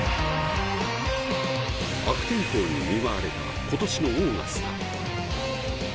悪天候に見舞われた今年のオーガスタ。